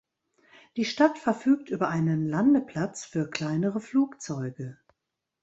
Die Stadt verfügt über einen Landeplatz für kleinere Flugzeuge.